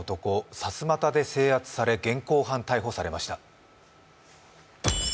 さすまたで制圧され、現行犯逮捕されました。